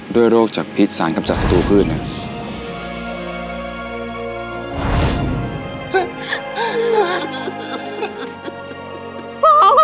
ด้วยโรคจากพิษสารกำจัดศัตรูพืช